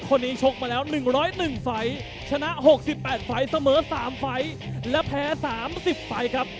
ชกมาแล้ว๑๐๑ไฟล์ชนะ๖๘ไฟล์เสมอ๓ไฟล์และแพ้๓๐ไฟล์ครับ